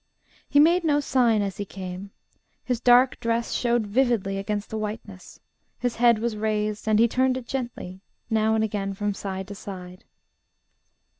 He made no sign as he came; his dark dress showed vividedly against the whiteness; his head was raised, and he turned it gently now and again from side to side.